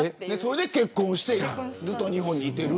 それで結婚してずっと日本にいる。